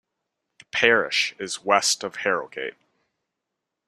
The parish is west of Harrogate.